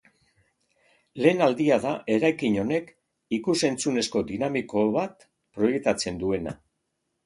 Lehen aldia da eraikin honek ikus-entzunezko dinamiko bat proiektatzen duena.